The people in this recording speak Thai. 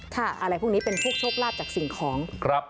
อะไรพวกนี้เป็นพวกโชคลาภจากสิ่งของ